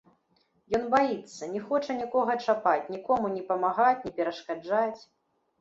Ён баіцца, не хоча нікога чапаць, нікому ні памагаць, ні перашкаджаць.